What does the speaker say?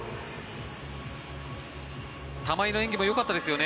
玉井の演技もよかったですよね。